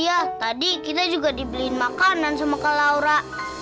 iya tadi kita juga dibeliin makanan sama ke laura